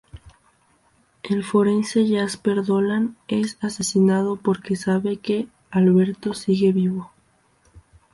El forense Jasper Dolan es asesinado porque sabe que Alberto sigue vivo.